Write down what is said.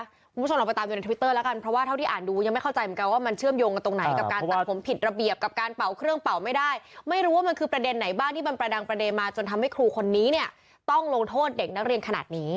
คุณผู้ชมเราไปตามอยู่ในทวิตเตอร์แล้วกันเพราะว่าเท่าที่อ่านดูยังไม่เข้าใจเหมือนกันว่ามันเชื่อมโยงกันตรงไหนกับการตัดผมผิดระเบียบกับการเป่าเครื่องเป่าไม่ได้ไม่รู้ว่ามันคือประเด็นไหนบ้างที่มันประดังประเด็นมาจนทำให้ครูคนนี้เนี่ยต้องลงโทษเด็กนักเรียนขนาดนี้